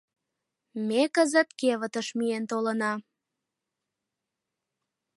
Ме кызыт кевытыш миен толына.